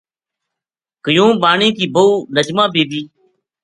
قیوم بانی کی بہو نجمہ بی بی